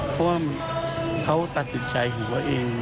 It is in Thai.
เพราะว่าเขาตัดสินใจหัวเอง